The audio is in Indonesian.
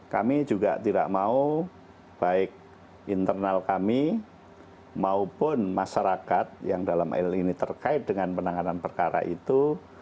kami juga tidak mau baik internal kami maupun masyarakat yang dalam hal ini terkait dengan penanganan perkara itu